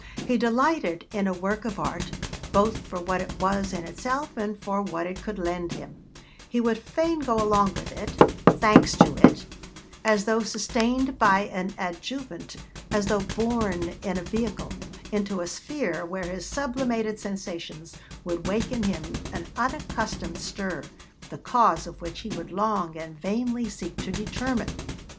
He delighted in a work of art, both for what it was in itself and for what it could lend him; he would fain go along with it, thanks to it, as though sustained by an adjuvant, as though borne in a vehicle, into a sphere where his sublimated sensations would wake in him an unaccustomed stir, the cause of which he would long and vainly seek to determine.'